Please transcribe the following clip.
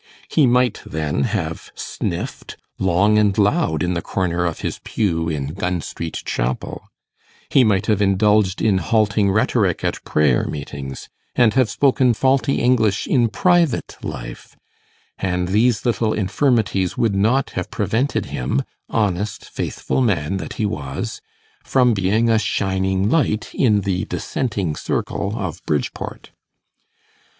He might then have sniffed long and loud in the corner of his pew in Gun Street Chapel; he might have indulged in halting rhetoric at prayer meetings, and have spoken faulty English in private life; and these little infirmities would not have prevented him, honest faithful man that he was, from being a shining light in the dissenting circle of Bridgeport.